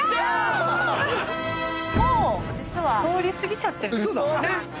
もう実は通り過ぎちゃってるんです。